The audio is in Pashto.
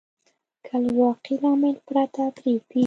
که له واقعي لامل پرته پرېږدي.